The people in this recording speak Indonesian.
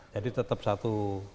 jadi tetap satu